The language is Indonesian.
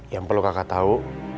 yang perlu kakak tau